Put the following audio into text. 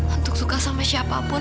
untuk suka sama siapapun